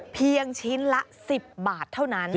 เพียงชิ้นละ๑๐บาทเท่านั้น